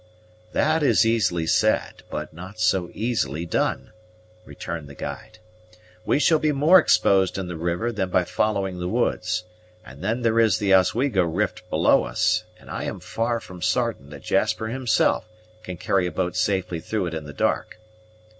"That is easily said, but not so easily done," returned the guide. "We shall be more exposed in the river than by following the woods; and then there is the Oswego rift below us, and I am far from sartain that Jasper himself can carry a boat safely through it in the dark.